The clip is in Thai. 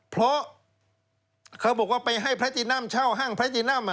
เพราะเขาบอกว่าไปให้พระตินัมเช่าห้างพระตินัม